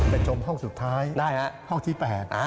ไปจมห้องสุดท้ายห้องที่๘นะครับได้ครับ